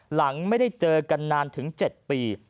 หลังไม่ได้เจอกันนานถึง๗ปี